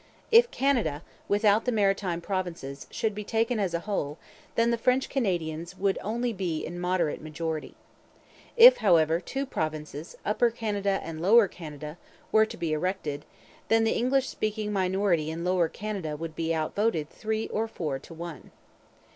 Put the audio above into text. If Canada, without the Maritime Provinces, should be taken as a whole then the French Canadians would only be in a moderate majority. If, however, two provinces, Upper Canada and Lower Canada, were to be erected, then the English speaking minority in Lower Canada would be outvoted three or four to one.